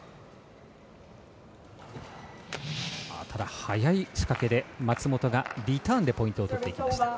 早い仕掛けで松本がリターンでポイントをとっていきました。